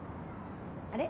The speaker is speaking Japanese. あれ？